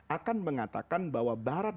akan mengatakan bahwa barat